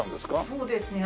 そうですね。